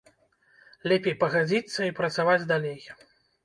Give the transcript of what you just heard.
Лепей пагадзіцца і працаваць далей.